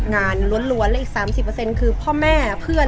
งานรวดและอีก๓๐คือพ่อแม่เพื่อน